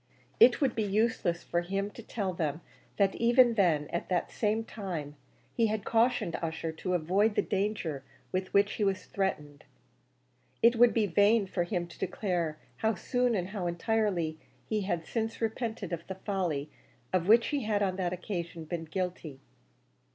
It would be useless for him to tell them that even then, at that same time, he had cautioned Ussher to avoid the danger with which he was threatened. It would be vain for him to declare how soon and how entirely he had since repented of the folly of which he had on that occasion been guilty.